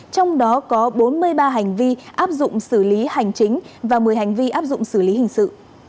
trong đó có bốn mươi ba hành vi áp dụng xử lý hành chính và một mươi hành vi áp dụng xử lý hình sự